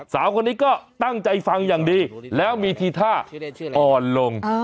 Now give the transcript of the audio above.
สาวคนนี้ก็ตั้งใจฟังอย่างดีแล้วมีทีท่าอ่อนลง